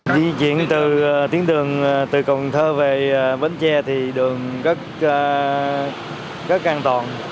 di chuyển từ tiến đường từ cộng thơ về bến tre thì đường rất an toàn